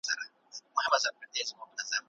سياست د انسانانو د هڅو ډېره حساسه ساحه ده.